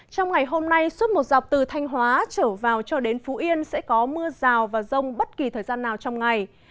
trong ngày hôm nay suốt một dọc từ thanh hóa trở vào cho đến phú yên sẽ có mưa rào và rông bất kỳ thời gian nào trong ngày